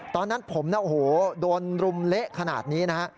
ตอนนั้นผมนะโอ้โหโดนรุมเละขนาดนี้นะฮะ